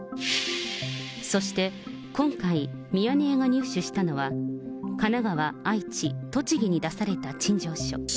そして今回、ミヤネ屋が入手したのは、神奈川、愛知、栃木に出された陳情書。